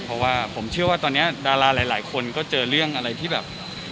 เพราะว่าผมเชื่อว่าตอนนี้ดาราหลายคนก็เจอเรื่องอะไรที่แบบ